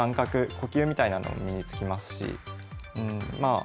呼吸みたいなのも身につきますしまあ